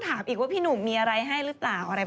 เลข๕มาแรงใช่ไหม